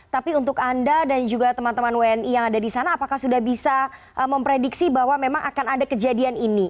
tapi untuk anda dan juga teman teman wni yang ada di sana apakah sudah bisa memprediksi bahwa memang akan ada kejadian ini